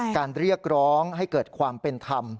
เรียกร้องให้เกิดความเป็นธรรม